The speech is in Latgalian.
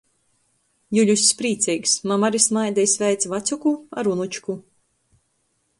Juļuss prīceigs, mama ari smaida i sveic vacjuku ar unučku.